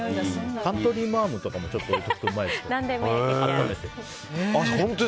カントリーマアムとかもちょっと置いとくとうまいですよ。